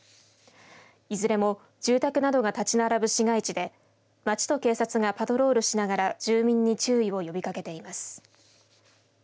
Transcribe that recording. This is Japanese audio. いずれも住宅などが立ち並ぶ市街地で町と警察がパトロールしながら住民に注意を呼びかけています。